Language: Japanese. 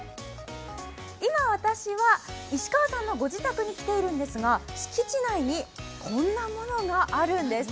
今、私は石川さんのご自宅に来ているんですが、敷地内にこんなものがあるんです。